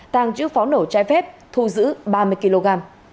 tăng chữ phó nổ trái phép thu giữ ba mươi kg